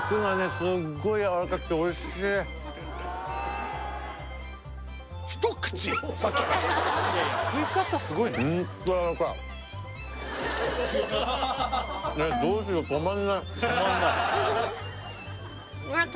すっごいやわらかくておいしいうん